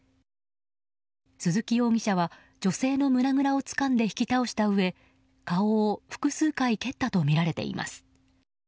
鈴木容疑者は女性の胸ぐらをつかんで、引き倒したうえ顔を複数回蹴ったとみられています。